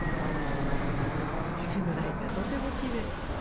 腰のラインがとてもきれい。